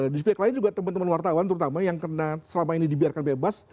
di sepiak lain juga teman teman wartawan terutama yang karena selama ini dibiarkan bebas